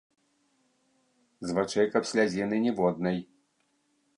З вачэй каб слязіны ніводнай.